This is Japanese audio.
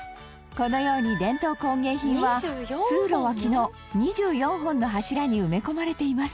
このように、伝統工芸品は通路脇の２４本の柱に埋め込まれています